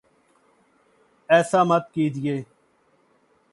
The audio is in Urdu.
ایسا مت کیجیے